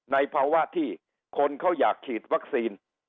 ในภาวะที่คนเขาอยากฉีดวัคซีน